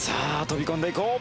飛び込んでいこう！